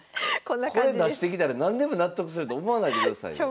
これ出してきたら何でも納得すると思わないでくださいよ。